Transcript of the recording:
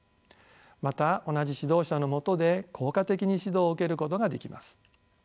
また同じ指導者のもとで効果的に指導を受けることができます。